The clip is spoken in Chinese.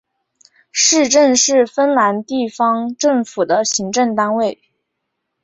市镇是芬兰地方政府的行政单位。